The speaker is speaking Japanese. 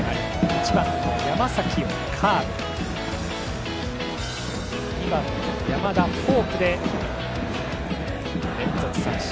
１番の山崎をカーブ２番の山田をフォークで連続三振。